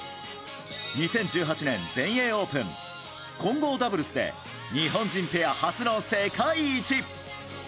２０１８年全英オープン混合ダブルスで日本人ペア初の世界一。